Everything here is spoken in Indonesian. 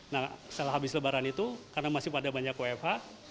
nah setelah habis lebaran itu karena masih pada banyak wfh